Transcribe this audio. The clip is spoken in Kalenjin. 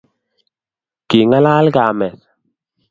Kingalal kamet